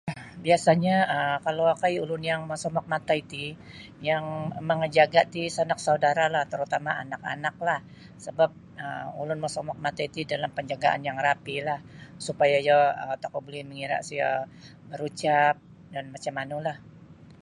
Biasa'nya um kalau okoi ulun yang mosomok matai ti yang mangajaga' ti sanak saudara'lah tarutama' anak-anaklah sabap um ulun mosomok matai ti dalam panjagaan yang rapilah supaya iyo um tokou buli mangira' disiyo barucap dan macam manulah.